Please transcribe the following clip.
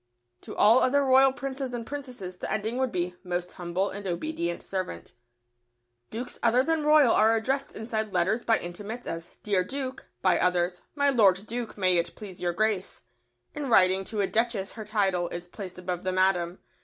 To all other Royal Princes and Princesses the ending would be "Most Humble and Obedient Servant." [Sidenote: To a Duke and Duchess.] Dukes other than royal are addressed inside letters by intimates as "Dear Duke," by others "My Lord Duke, may it please your Grace." In writing to a Duchess her title is placed above the "Madam."